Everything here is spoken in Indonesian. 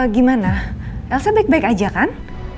gimana elsa baik baik aja kan